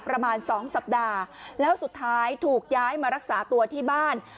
ประมาณสองสัปดาห์แล้วสุดท้ายถูกย้ายมารักษาตัวที่บ้าน